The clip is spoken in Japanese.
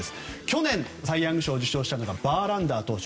去年、サイ・ヤング賞を受賞したのがバーランダー投手。